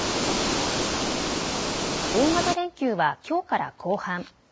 大型連休はきょうから後半。